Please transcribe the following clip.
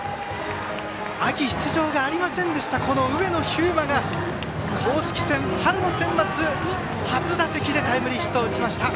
秋、出場がありませんでした上野飛馬が公式戦、春のセンバツ初打席でタイムリーヒットを打ちました。